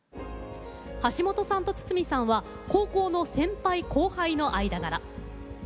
橋本さんと筒美さんは高校の先輩後輩の間柄。